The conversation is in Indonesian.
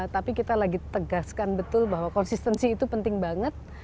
tapi kita lagi tegaskan betul bahwa konsistensi itu penting banget